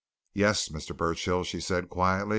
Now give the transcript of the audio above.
"Yes, Mr. Burchill?" she said quietly.